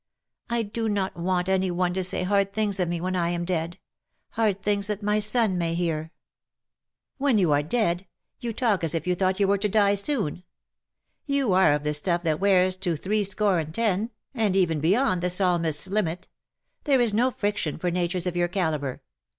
" I do not want any one to say hard things of me when I am dead — hard things that my son may hear.^' " When you are dead ! You talk as if you thought you were to die soon. You are of the stuff that wears to threescore and ten, and even 42 beyond the Psalmist's limit. There is no friction for natures of your calibre.